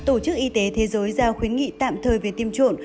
tổ chức y tế thế giới giao khuyến nghị tạm thời về tiêm chủng